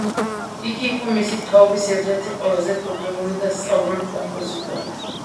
იგი იყო მისი თაობის ერთ-ერთი ყველაზე კულტურული და სწავლული კომპოზიტორი.